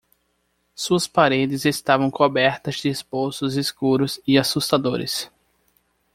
Suas paredes estavam cobertas de esboços escuros e assustadores.